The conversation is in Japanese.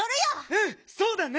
うんそうだね！